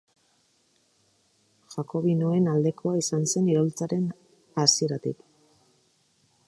Jakobinoen aldekoa izan zen iraultzaren hasieratik.